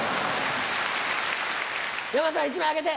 山田さん１枚あげて。